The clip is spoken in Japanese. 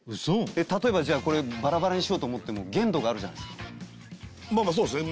例えばじゃあこれバラバラにしようと思っても限度があるじゃないですかまあまあそうですね